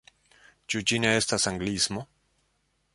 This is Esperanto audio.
Ĉu ĝi ne estas anglismo?